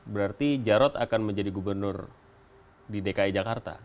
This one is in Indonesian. berarti jarod akan menjadi gubernur di dki jakarta